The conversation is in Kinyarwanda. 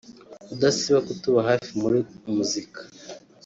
udasiba kutuba hafi muri muzika “